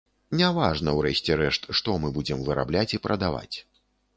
Не важна ў рэшце рэшт што мы будзем вырабляць і прадаваць.